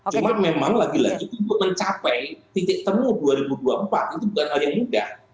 cuma memang lagi lagi untuk mencapai titik temu dua ribu dua puluh empat itu bukan hal yang mudah